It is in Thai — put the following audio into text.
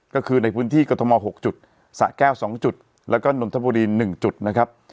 ก็คือในพื้นที่กรทม๖จุดสะแก้ว๒จุดแล้วก็นนทบุรี๑จุดนะครับ